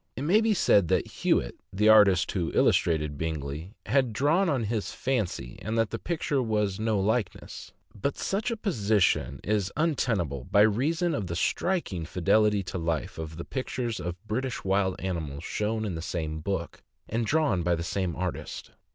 It may be said that Hewitt, the artist who illustrated Bingley, had drawn on his fancy, and that the picture was no likeness; but such a position is untenable, by reason of the striking fidelity to life of the pictures of British wild animals shown in the same book, and drawn by the same artist.